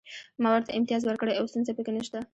ما ورته امتیاز ورکړی او ستونزه پکې نشته